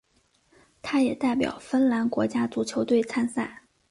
他也代表芬兰国家足球队参赛。